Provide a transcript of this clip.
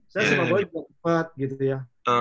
saya sepak bola juga cepet gitu ya